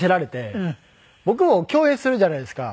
僕も共演するじゃないですか。